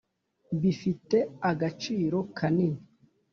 bifite agaciro kanini.